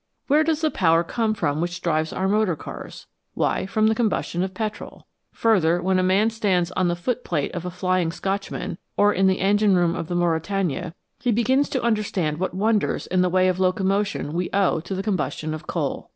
Where does the power come from which drives our motor cars ? Why, from the combustion of petrol. Further, when a man stands on the footplate of a " Flying Scotchman," or in the engine room of the Mauretania, he begins to understand what wonders in the way of locomotion we owe to the combustion of coal.